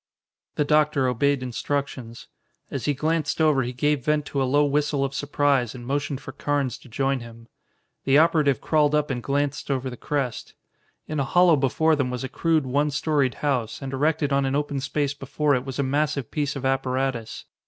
The doctor obeyed instructions. As he glanced over he gave vent to a low whistle of surprise and motioned for Carnes to join him. The operative crawled up and glanced over the crest. In a hollow before them was a crude one storied house, and erected on an open space before it was a massive piece of apparatus.